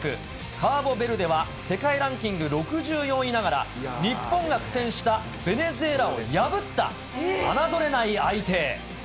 カーボベルデは世界ランク６４位ながら、日本が苦戦したベネズエラを破った、侮れない相手。